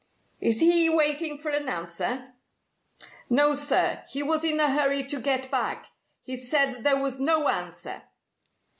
"Is he waiting for an answer?" "No, sir. He was in a hurry to get back. He said there was no answer."